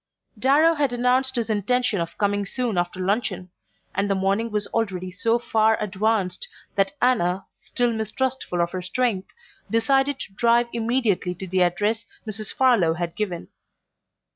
Darrow had announced his intention of coming soon after luncheon, and the morning was already so far advanced that Anna, still mistrustful of her strength, decided to drive immediately to the address Mrs. Farlow had given.